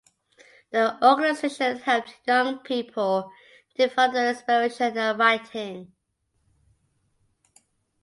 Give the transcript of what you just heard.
The organization helped young people develop their inspiration and writing.